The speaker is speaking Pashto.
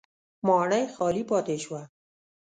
ماڼۍ خالي پاتې شوې.